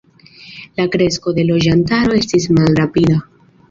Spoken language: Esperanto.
La kresko de loĝantaro estis malrapida.